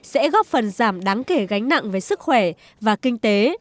sẽ góp phần giảm đáng kể gánh nặng về sức khỏe và kinh tế